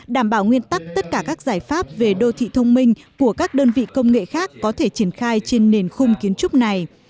đảm bảo nguyên tắc tất cả các giải pháp về đô thị thông minh của các đơn vị công nghệ khác có thể triển khai trên nền khung kiến trúc này